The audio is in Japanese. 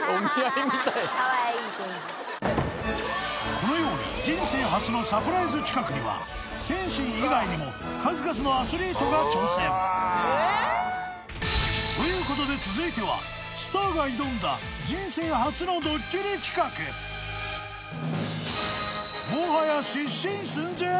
このように人生初のサプライズ企画には天心以外にも数々のアスリートが挑戦ということで続いてはスターが挑んだ人生初のドッキリ企画もはや失神寸前！？